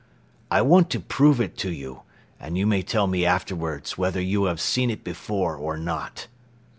I want to prove it to you and you may tell me afterwards whether you have seen it before or not."